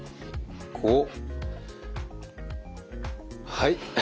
はい。